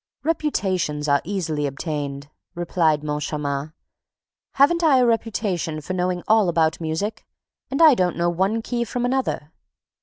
"Reputations are easily obtained," replied Moncharmin. "Haven't I a reputation for knowing all about music? And I don't know one key from another."